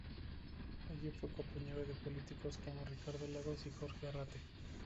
Allí fue compañero de políticos como Ricardo Lagos y Jorge Arrate.